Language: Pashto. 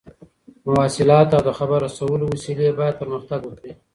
مواصلات او د خبر رسولو وسيلې بايد پرمختګ وکړي.